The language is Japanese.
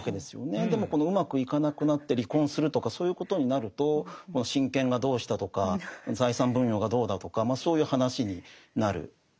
でもこのうまくいかなくなって離婚するとかそういうことになると親権がどうしたとか財産分与がどうだとかそういう話になる。